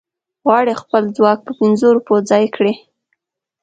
غواړي خپل ځواک په پنځو روپو ځای کړي.